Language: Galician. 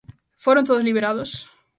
Foron todos liberados?